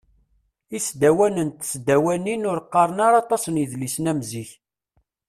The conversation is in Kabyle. Isdawanen d tesdawanin ur qqaren ara aṭas n yidlisen am zik.